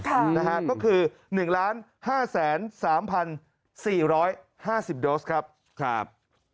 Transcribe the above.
ก็คือ๑๕๓๓๔๕๐โดสครับ